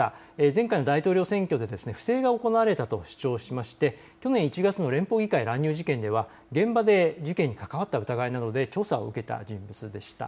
前回の大統領選挙で不正が行われたと主張して去年１月の連邦議会乱入事件では現場で事件に関わった疑いなどで調査を受けた人物でした。